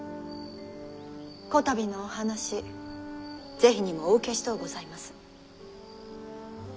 こたびのお話是非にもお受けしとうございます。